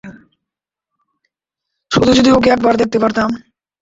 শুধু যদি ওকে একবার দেখতে পারতাম।